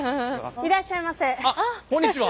あっこんにちは。